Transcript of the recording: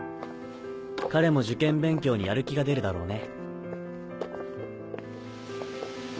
彼も受験勉強にやる気が出るだろうね。